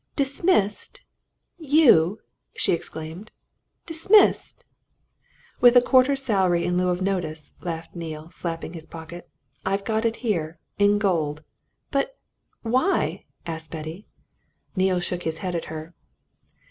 "Dismissed you?" she exclaimed. "Dismissed!" "With a quarter's salary in lieu of notice," laughed Neale, slapping his pocket. "I've got it here in gold." "But why?" asked Betty. Neale shook his head at her.